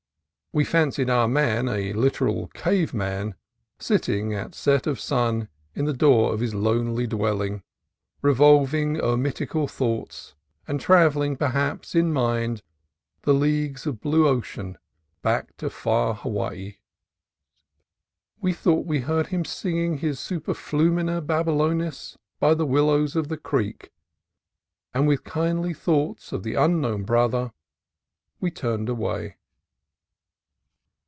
We fancied our man, a literal cave man, sitting at set of sun in the door of his lonely dwelling, re volving eremitical thoughts, and travelling, perhaps, in mind the leagues of blue ocean back to far Hawaii. We thought we heard him singing his '' Super flumina Babylonis" by the willows of the creek; and with kindly thoughts of the unknown brother we turned away.